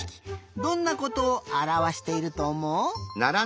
どんなことをあらわしているとおもう？